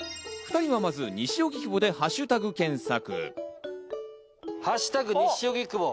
２人はまず西荻窪でハッシュタグ検索。